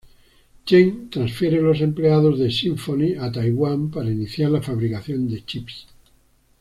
Chen transfiere los empleados de Symphony a Taiwán para iniciar la fabricación de chips.